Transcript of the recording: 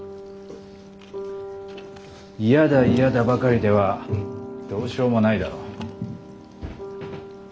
「嫌だ嫌だ」ばかりではどうしようもないだろう？